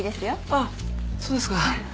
あっそうですか。